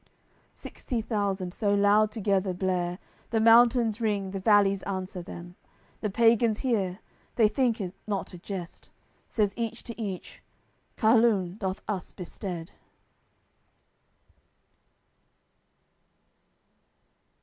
Sixty thousand so loud together blare, The mountains ring, the valleys answer them. The pagans hear, they think it not a jest; Says each to each: "Carlum doth us bestead."